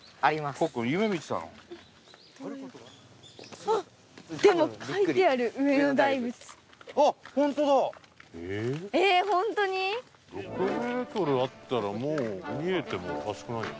６メートルあったらもう見えてもおかしくないよな。